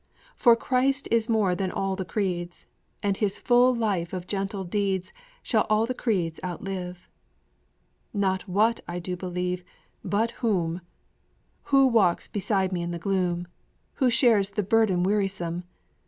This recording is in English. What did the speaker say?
For Christ is more than all the creeds, And His full life of gentle deeds Shall all the creeds outlive. Not What I do believe, but Whom. Who walks beside me in the gloom? Who shares the burden wearisome?